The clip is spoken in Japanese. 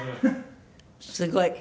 すごい。